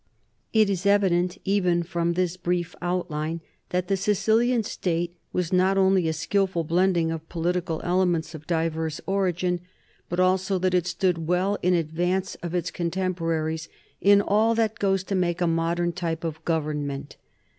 It is evident, even from this brief outline, that the Sicilian state was not only a skilful blending of political elements of diverse origin, but also that it stood well in advance of its contemporaries in all that goes to make a modern type of government.